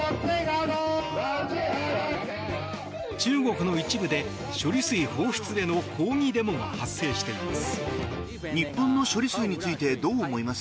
中国の一部で処理水放出への抗議デモが発生しています。